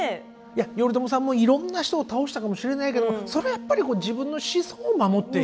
いや頼朝さんもいろんな人を倒したかもしれないけどもそれはやっぱり自分の子孫を守って。